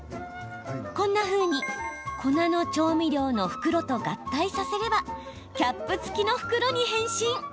こんなふうに粉の調味料の袋と合体させればキャップ付きの袋に変身。